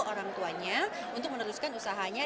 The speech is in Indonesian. orang tuanya untuk meneruskan usahanya